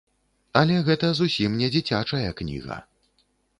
Але гэта зусім не дзіцячая кніга.